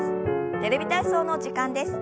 「テレビ体操」の時間です。